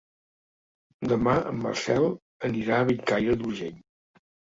Demà en Marcel anirà a Bellcaire d'Urgell.